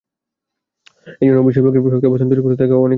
একজন অভিনয়শিল্পীকে শক্ত অবস্থান তৈরি করতে হলে তাঁকে অনেক কিছু জানতে হয়।